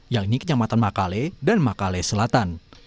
yang ini kecamatan makale dan makale selatan